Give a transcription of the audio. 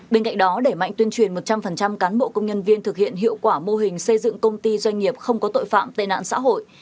bên cạnh đó đẩy mạnh tuyên truyền một trăm linh cán bộ công nhân viên thực hiện hiệu quả mô hình xây dựng công ty doanh nghiệp không có tội phạm tệ nạn xã hội